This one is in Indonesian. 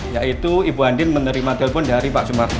yaitu ibu andin menerima telepon dari pak sumarno